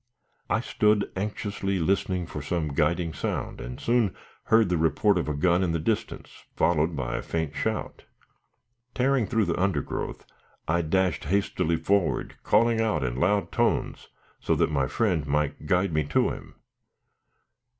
I stood anxiously listening for some guiding sound, and soon heard the report of a gun in the distance, followed by a faint shout. Tearing through the undergrowth, I dashed hastily forward, calling out in loud tones, so that my friend might guide me to him.